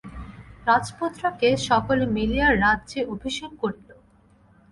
রাজপুত্রকে সকলে মিলিয়া রাজ্যে অভিষেক করিল।